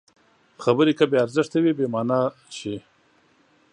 خبرې که بې ارزښته وي، بېمانا شي.